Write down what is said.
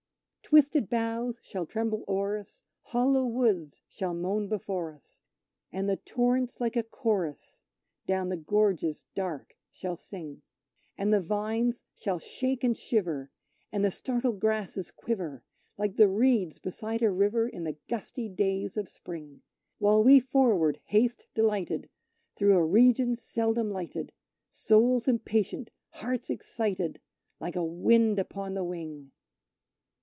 Twisted boughs shall tremble o'er us, hollow woods shall moan before us, And the torrents like a chorus down the gorges dark shall sing; And the vines shall shake and shiver, and the startled grasses quiver, Like the reeds beside a river in the gusty days of Spring; While we forward haste delighted, through a region seldom lighted Souls impatient, hearts excited like a wind upon the wing!